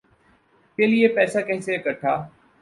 کے لیے پیسہ کیسے اکھٹا